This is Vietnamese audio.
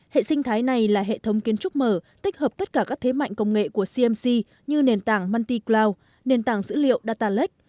hệ sinh thái này là hệ thống kiến trúc mở tích hợp tất cả các thế mạnh công nghệ của cmc như nền tảng munti cloud nền tảng dữ liệu data lek